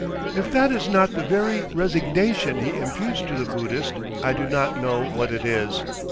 If that is not the very "resignation" he imputes to the Buddhist I do not know what it is.